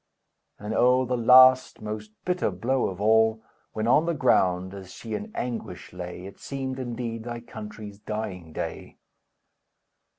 And oh, the last, most bitter blow of all, When on the ground, as she in anguish lay, It seemed, indeed, thy country's dying day!